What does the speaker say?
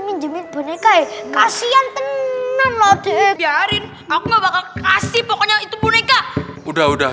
minjemin boneka kasihan tenang lagi biarin aku nggak bakal kasih pokoknya itu boneka udah udah